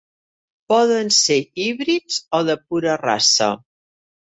Poden ser híbrids o de pura raça.